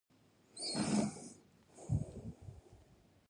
کلي د اقتصادي ودې لپاره ډېر ارزښت لري.